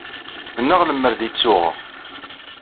Mennaɣ lemmer d ay tt-uɣeɣ.